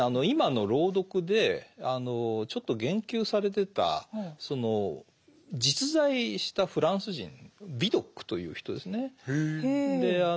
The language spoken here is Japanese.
今の朗読でちょっと言及されてた実在したフランス人ヴィドックという人ですね。へ。